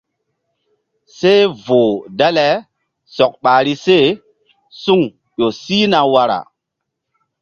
Seh voh dale sɔk ɓahri se suŋ ƴo sihna wara.